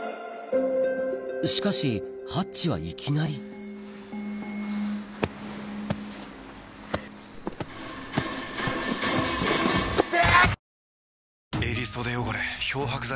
しかしハッチはいきなりうわ！